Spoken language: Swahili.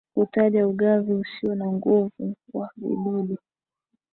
kutaja ugavi usio na nguvu wa vidudu